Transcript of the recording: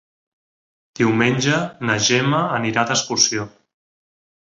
Diumenge na Gemma anirà d'excursió.